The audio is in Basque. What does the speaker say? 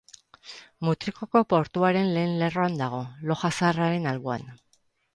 Mutrikuko portuaren lehen lerroan dago, Loja Zaharraren alboan.